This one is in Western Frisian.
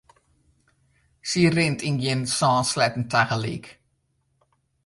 Sy rint yn gjin sân sleatten tagelyk.